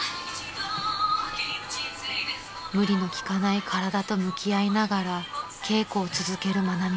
［無理の利かない体と向き合いながら稽古を続ける愛美さん］